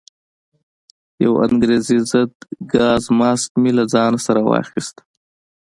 یو انګریزي ضد ګاز ماسک مې له ځان سره واخیست.